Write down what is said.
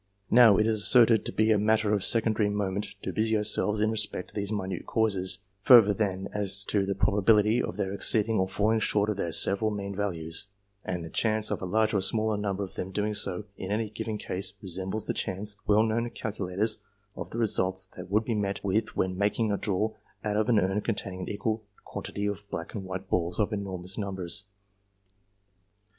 Now, it is asserted to be a matter of secondary moment to busy ourselves in respect to these minute causes, further than as to the probability of their exceeding or falling short of their several mean values, and the chance of a larger or smaller number of them doing so, in any given case, resembles the chance, well known to cal culators, of the results that would be met with when making a draw out of an urn containing an equal quantity of black and white balls in enormous numbers.